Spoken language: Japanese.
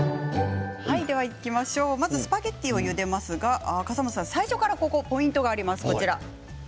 まずスパゲッティをゆでますが笠松さん最初からポイントがあります。